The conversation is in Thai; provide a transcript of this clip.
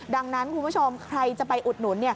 ดังนั้นคุณผู้ชมใครจะไปอุดหนุน